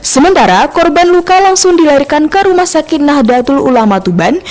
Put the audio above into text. sementara korban luka langsung dilarikan ke rumah sakit nahdlatul ulama tuban